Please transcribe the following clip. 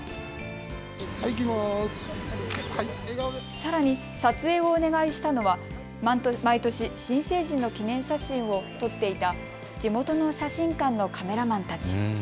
さらに撮影をお願いしたのは毎年、新成人の記念写真を撮っていた地元の写真館のカメラマンたち。